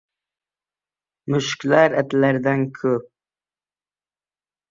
Mushuklar itlardan ko‘p.